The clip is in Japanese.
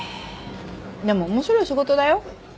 でも面白い仕事だよ。